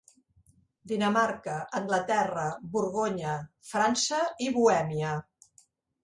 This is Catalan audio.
Dinamarca, Anglaterra, Borgonya, França i Bohèmia.